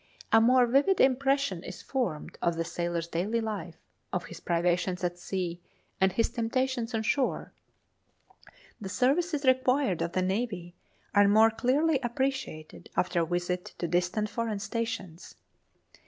A more vivid impression is formed of the sailor's daily life, of his privations at sea, and his temptations on shore. The services required of the Navy are more clearly appreciated after a visit to distant foreign stations.